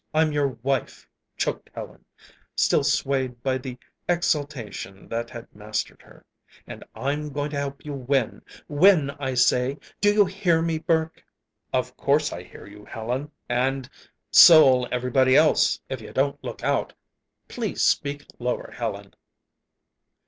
I'm your wife," choked Helen, still swayed by the exaltation that had mastered her. "And I'm going to help you win win, I say! Do you hear me, Burke?" "Of course I hear you, Helen; and so'll everybody else, if you don't look out. Please speak lower, Helen!"